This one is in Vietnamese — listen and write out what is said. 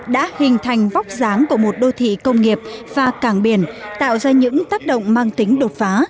đã hình thành vóc dáng của một đô thị công nghiệp và cảng biển tạo ra những tác động mang tính đột phá